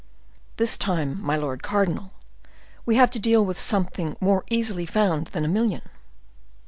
"This time, my lord cardinal, we have to deal with something more easily found than a million."